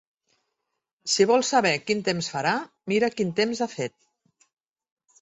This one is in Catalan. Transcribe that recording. Si vols saber quin temps farà, mira quin temps ha fet.